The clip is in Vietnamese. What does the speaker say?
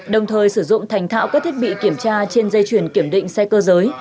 đồng thời sử dụng thành thạo các thiết bị kiểm tra trên dây chuyển kiểm định xe cơ giới